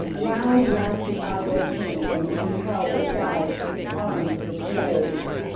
Loud laughed the Awgwa King when he beheld the size and the arms of his foes.